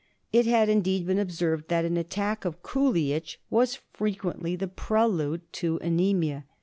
It had, indeed, been observed that an attack of Coolie itch was frequently the prelude to anxmia.